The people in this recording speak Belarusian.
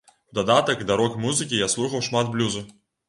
У дадатак да рок-музыкі я слухаў шмат блюзу.